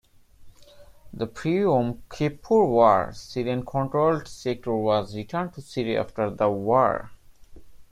The pre-Yom Kippur War Syrian-controlled sector was returned to Syria after the war.